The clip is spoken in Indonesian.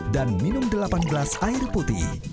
dan minum delapan gelas air putih